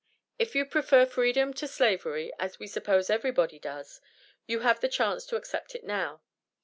If you prefer freedom to slavery, as we suppose everybody does, you have the chance to accept it now.